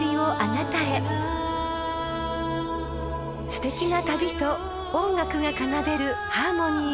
［すてきな旅と音楽が奏でるハーモニー］